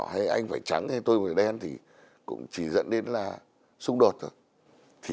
hay anh phải trắng hay tôi phải đen thì cũng chỉ dẫn đến là xung đột thôi